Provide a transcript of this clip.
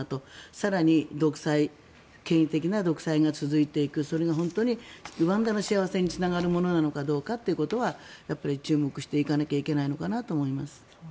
更に権威的な独裁が続いていくそれが本当にルワンダの幸せにつながるものなのかどうかということは注目していかなきゃいけないのかなと思います。